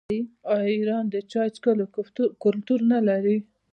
آیا ایران د چای څښلو کلتور نلري؟